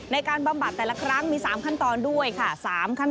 บำบัดแต่ละครั้งมี๓ขั้นตอนด้วยค่ะ